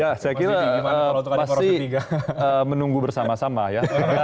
ya saya kira masih menunggu bersama sama ya